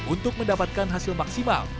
untuk mendapatkan hasil maksimal